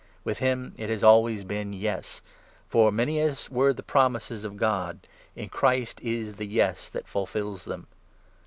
With him it has always been ' Yes.' For, many as were the promises of 20 God, in Christ is the ' Yes ' that fulfils them.